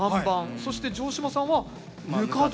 そして城島さんはぬか床。